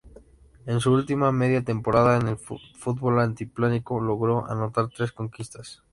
En su última media temporada en el fútbol altiplánico, logró anotar tres conquistas.